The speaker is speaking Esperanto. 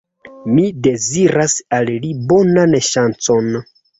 Mi deziras al li bonan ŝancon!